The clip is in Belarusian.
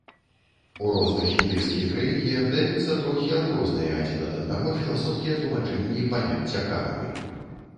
У розных індыйскіх рэлігіях даюцца трохі адрозныя адзін ад аднаго філасофскія тлумачэнні паняцця кармы.